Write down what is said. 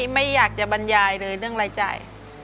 ไม่อยากจะบรรยายเลยเรื่องรายจ่าย